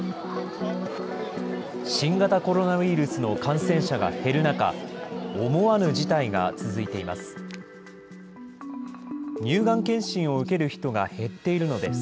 新型コロナウイルスの感染者が減る中、思わぬ事態が続いています。